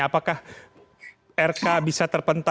apakah rk bisa terpental seperti halnya tgb yang akhirnya tidak terpental